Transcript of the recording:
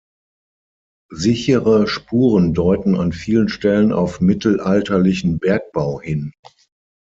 Sichere Spuren deuten an vielen Stellen auf mittelalterlichen Bergbau hin.